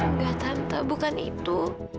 enggak tante bukan itu